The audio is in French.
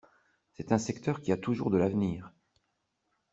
C’est un secteur qui a toujours de l’avenir.